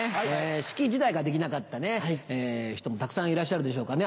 式自体ができなかった人もたくさんいらっしゃるでしょうからね。